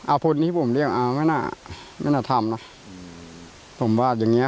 อาพนที่ผมเรียกอ่าไม่น่าไม่น่าทำอืมผมว่าอย่างเงี้ย